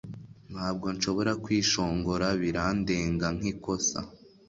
Ntabwo nshobora kwishongora birandenga nkikosa